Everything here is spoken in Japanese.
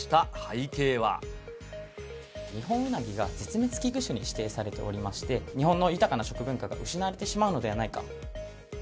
ニホンウナギが絶滅危惧種に指定されておりまして、日本の豊かな食文化が失われてしまうのではないか。